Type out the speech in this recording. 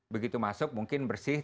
begitu masuk mungkin bersih